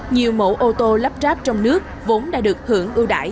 nhiều mẫu ô tô lắp ráp trong nước vốn đã được hưởng ưu đại